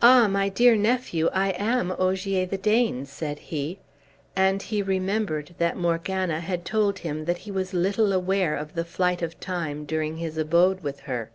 "Ah! my dear nephew, I am Ogier the Dane," said he; and he remembered that Morgana had told him that he was little aware of the flight of time during his abode with her.